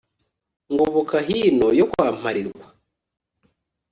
ngoboka hino yo kwa mparirwa